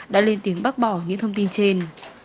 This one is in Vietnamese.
đã lên tiếng bác bỏ những thông tin trên